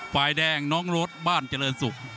ฝ่ายแดงน้องรถบ้านเจริญศุกร์